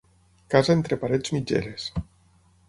Casa entre parets mitgeres.